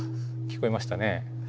聞こえましたね。